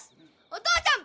お父ちゃん！